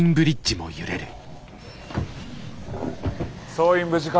総員無事か？